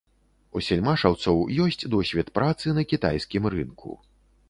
У сельмашаўцаў ёсць досвед працы на кітайскім рынку.